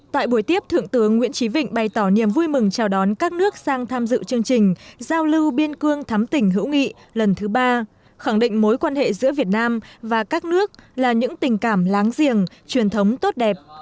tại buổi tiếp thượng tướng nguyễn trí vịnh bày tỏ niềm vui mừng chào đón các nước sang tham dự chương trình giao lưu biên cương thắm tỉnh hữu nghị lần thứ ba khẳng định mối quan hệ giữa việt nam và các nước là những tình cảm láng giềng truyền thống tốt đẹp